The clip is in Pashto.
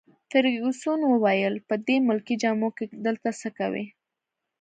فرګوسن وویل: په دې ملکي جامو کي دلته څه کوي؟